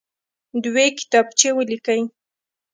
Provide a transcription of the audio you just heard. دوې کتابچې ولیکئ.